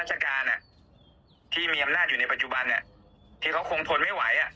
อาจจะให้ผิดทางการ